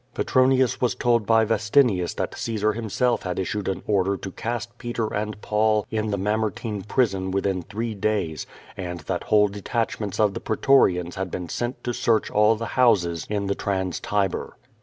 Petronius was told by Vestinius that Caesar himself had issued an order to cast Peter and Paul in the Mamertine prison within three days, and that whole detachments of the pretorians had been sent to search all the liouses in the Trans Tiber.